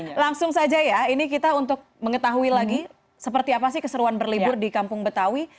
oke langsung saja ya ini kita untuk mengetahui lagi seperti apa sih keseruan berlibur di kampung betawi